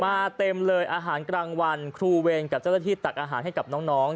เต็มเลยอาหารกลางวันครูเวรกับเจ้าหน้าที่ตักอาหารให้กับน้อง